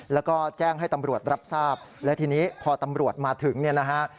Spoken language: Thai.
แล้วก็แจ้งให้ตำรวจรับทราบและทีนี้พอตำรวจมาถึงเนี่ยนะฮะ